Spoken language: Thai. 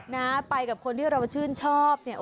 นะไปกับคนที่เราชื่นชอบ